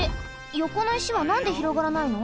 よこの石はなんで広がらないの？